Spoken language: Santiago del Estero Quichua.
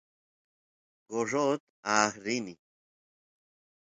gorrot aay rini